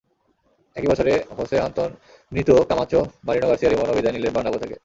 একই বছরে হোসে আন্তোনিতও কামাচো, মারিনো গার্সিয়া রেমনও বিদায় নিলেন বার্নাব্যু থেকে।